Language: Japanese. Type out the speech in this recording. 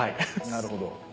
なるほど。